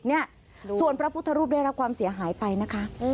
เนี่ยส่วนพระพุทธรูปได้รับความเสียหายไปนะคะ